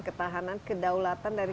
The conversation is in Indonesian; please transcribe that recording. ketahanan kedaulatan dari